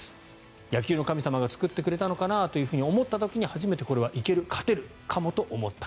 野球の神様が作ってくれたのかなと思った時に初めてこれは行ける、勝てるかもと思った。